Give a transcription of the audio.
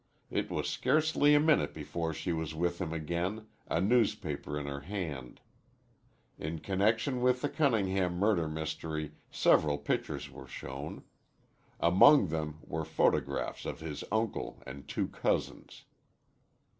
It was scarcely a minute before she was with him again, a newspaper in her hand. In connection with the Cunningham murder mystery several pictures were shown. Among them were photographs of his uncle and two cousins.